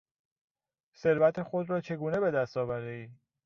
ثروت خود را چگونه به دست آوردی؟